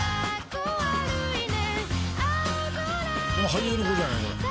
俳優の子じゃない？